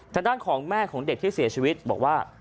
ทางด้านของแม่ของเด็กที่เสียชีวิตบอกว่า